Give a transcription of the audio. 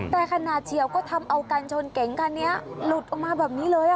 แต่ขนาดเฉียวก็ทำเอากันชนเก๋งคันนี้หลุดออกมาแบบนี้เลย